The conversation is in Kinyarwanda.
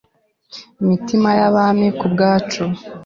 imitima y’abami ku bwacu.